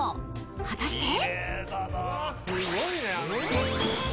［果たして？］